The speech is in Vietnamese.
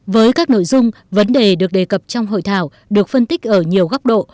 với các nội dung vấn đề được đề cập trong hội thảo được phân tích ở nhiều góc độ